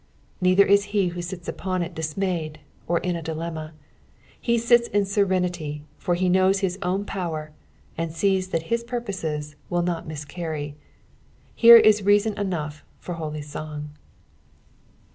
Neither ia he who sits upon it dismayed, or in a dilemma. He sits in serenity, for he knows his own power, and seea that his purposes will not mis carry. Here is reason enough for holy song.